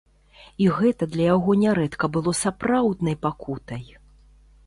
І гэта для яго нярэдка было сапраўднай пакутай!